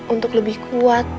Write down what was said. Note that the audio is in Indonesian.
untuk lebih kuat